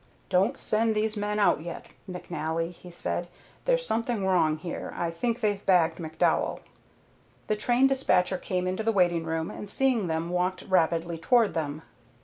"Don't send those men out yet, McNally," he said. "There's something wrong here. I think they've bagged McDowell." The train despatcher came into the waiting room, and seeing them walked rapidly toward them.